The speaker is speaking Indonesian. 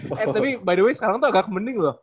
eh tapi by the way sekarang tuh agak mending loh